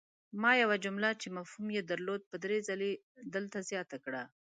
ما یوه جمله چې مفهوم ېې درلود په دري ځلې دلته زیاته کړه!